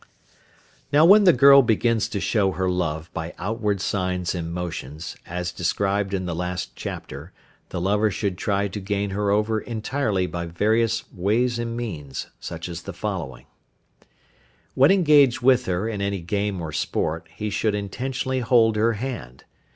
Now when the girl begins to show her love by outward signs and motions, as described in the last chapter, the lover should try to gain her over entirely by various ways and means, such as the following: When engaged with her in any game or sport he should intentionally hold her hand.